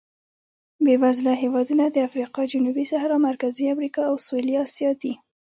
بېوزله هېوادونه د افریقا جنوبي صحرا، مرکزي امریکا او سوېلي اسیا دي.